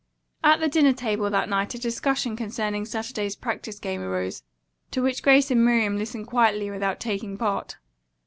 At the dinner table that night a discussion concerning Saturday's practice game arose, to which Grace and Miriam listened quietly without taking part.